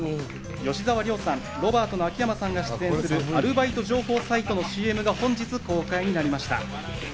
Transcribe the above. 吉沢亮さん、ロバートの秋山さんが出演するアルバイト情報サイトのＣＭが本日公開になりました。